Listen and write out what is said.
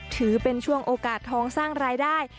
ถือเป็นช่วงโอกาสทองสร้างรายได้